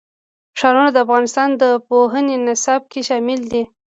ښارونه د افغانستان د پوهنې نصاب کې شامل دي.